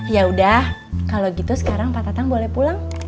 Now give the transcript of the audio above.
yaudah kalau gitu sekarang pak tatang boleh pulang